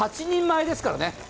８人前ですからね。